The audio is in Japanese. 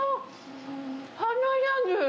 華やぐ。